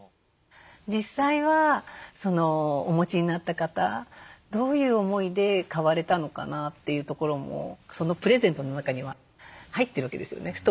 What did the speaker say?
実際はお持ちになった方どういう思いで買われたのかな？というところもそのプレゼントの中には入ってるわけですよね